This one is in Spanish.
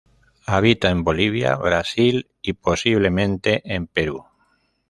Habita en Bolivia, Brasil y posiblemente en Perú.